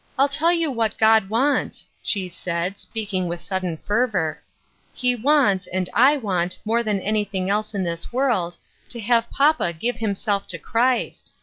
I'll tell you what God wants," she said, speaking with sudden fervor ; "He wants, and I want, more than anything else in this world, to have papa give himself to Christ.